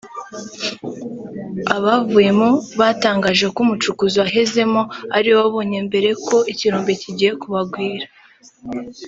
Abavuyemo batangaje ko “umucukuzi wahezemo ariwe wabonye mbere ko ikirombe kigiye kubagwira